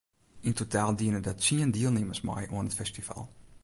Yn totaal diene der tsien dielnimmers mei oan it festival.